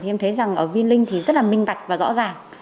em thấy rằng ở vinlink thì rất là minh bạch và rõ ràng